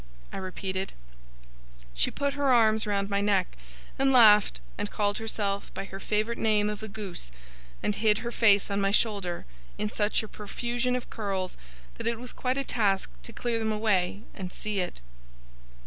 I repeated. She put her arms round my neck, and laughed, and called herself by her favourite name of a goose, and hid her face on my shoulder in such a profusion of curls that it was quite a task to clear them away and see it.